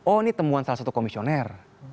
oh ini temuan salah satu komisioner